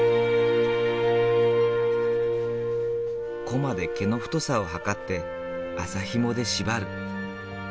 駒で毛の太さを測って麻ひもで縛る。